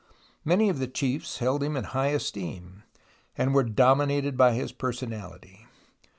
Many of the chiefs held him in high esteem, and were dominated by his personality.